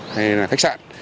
hay là khách sạn